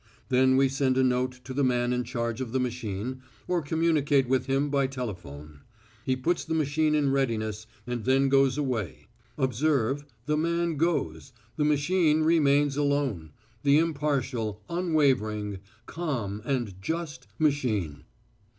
Then we send a note to the man in charge of the machine, or communicate with him by telephone. He puts the machine in readiness and then goes away. Observe, the man goes, the machine remains alone, the impartial, unwavering, calm and just machine.